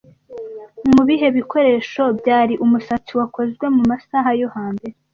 Mubihe bikoresho byari umusatsi wakozwe mumasaha yo hambere